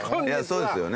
そうですよね